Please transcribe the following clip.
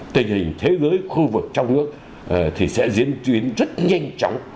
tình hình thế giới khu vực trong nước thì sẽ diễn chuyến rất nhanh chóng